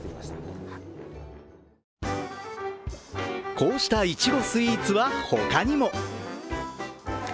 こうしたいちごスイーツはほかにも。